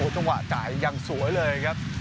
จังหวะจ่ายยังสวยเลยครับ